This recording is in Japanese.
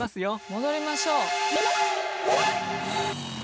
戻りましょう。